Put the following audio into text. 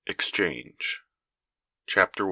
EXCHANGE. Chapter I.